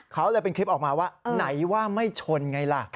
เขาเลยเป็นคลิปออกมาว่าไหนว่าไม่ชนไงล่ะ